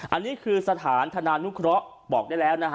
อันนี้คือสถานธนานุเคราะห์บอกได้แล้วนะฮะ